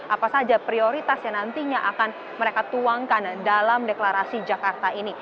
apa saja prioritas yang nantinya akan mereka tuangkan dalam deklarasi jakarta ini